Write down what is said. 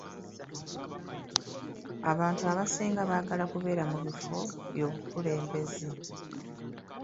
Abantu abasinga baagala kubeera mu bifo by'obukulembeze.